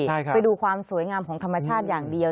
ใช่ครับไปดูความสวยงามของธรรมชาติอย่างเดียว